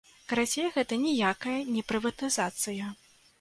Карацей, гэта ніякая не прыватызацыя.